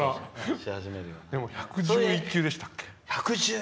でも、１１１球でしたっけ。